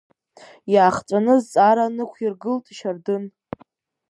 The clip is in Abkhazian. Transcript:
Иаахҵәаны азҵаара нықәиргылт Шьардын.